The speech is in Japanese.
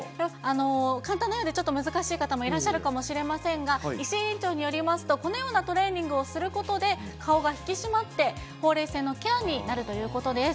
簡単なようで、ちょっと難しい方もいらっしゃるかもしれませんが、石井院長によりますと、このようなトレーニングをすることで、顔が引き締まって、ほうれい線のケアになるということです。